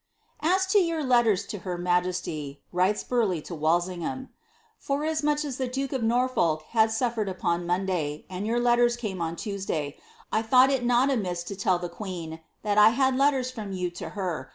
"^Ai to your letters to her majesty/' writes Burleigh to Walsinghnm. *^ ibras iQiich u the duke of Norfolk had suffered upon Monday, and your letters come oo Tuesday, 1 tlionght it not amiss to tell the queen *that I had letters from you to her.